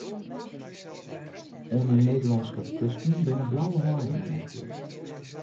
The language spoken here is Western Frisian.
Oan 'e Nederlânske kusten binne blauwe haaien oanspield.